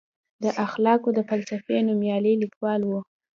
د اخلاقو د فلسفې نوميالی لیکوال و.